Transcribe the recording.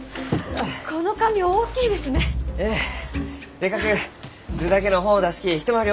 せっかく図だけの本を出すき一回り